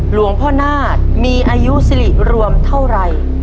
หลวงพ่อนาฏมีอายุสิริรวมเท่าไหร่